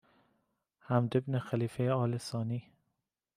حمد بن خلیفه آل ثانی